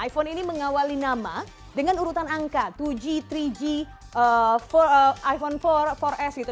iphone ini mengawali nama dengan urutan angka dua g tiga g iphone empat empat s gitu